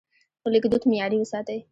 لیکدود معیاري وساتئ.